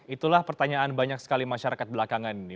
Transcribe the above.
itulah pertanyaan banyak sekali masyarakat belakangan ini